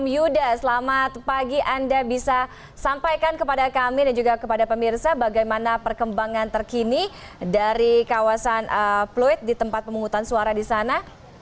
yuda selamat pagi anda bisa sampaikan kepada kami dan juga kepada pemirsa bagaimana perkembangan terkini dari kawasan pluit di tempat pemungutan suara di sana